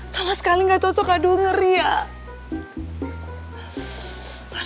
sama sekali gak cocok aduh ngeri ya